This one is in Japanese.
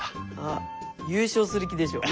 あっ優勝する気でしょ。